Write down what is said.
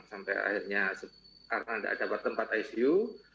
sampai akhirnya karena tidak dapat tempat icu